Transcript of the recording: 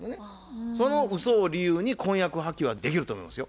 そのうそを理由に婚約破棄はできると思いますよ。